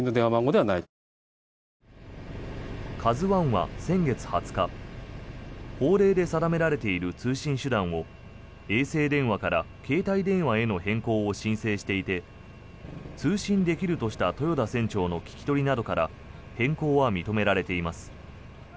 「ＫＡＺＵ１」は先月２０日法令で定められている通信手段を衛星電話から携帯電話への変更を申請していて通信できるとした豊田船長の聞き取りなどから変更は認められています。